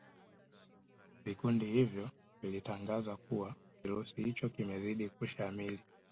vikiundi hivyo vilitangaza kuwa kirusi hicho kimezidi kushamili